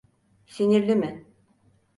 Sinirli mi?